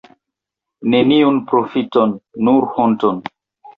Neniun profiton, nur honton!